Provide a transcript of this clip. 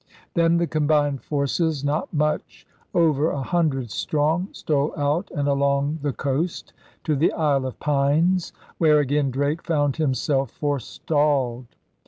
Then the combined forces, not much over a hundred strong, stole out and along the coast to the Isle of Pines, where again Drake found him self forestalled.